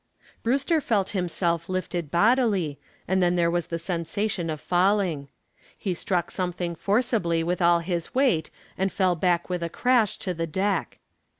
Brewster felt himself lifted bodily, and then there was the sensation of falling. He struck something forcibly with all his weight and fell back with a crash to the deck.